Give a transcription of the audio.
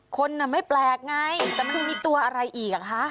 คนไม่แปลกไงแต่มันมีตัวอะไรอีกอ่ะคะ